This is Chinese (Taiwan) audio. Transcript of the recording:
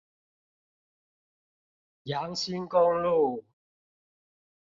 楊新公路